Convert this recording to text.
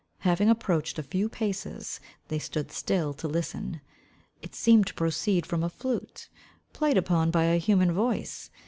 Having approached a few paces, they stood still to listen. It seemed to proceed from a flute, played upon by a human voice.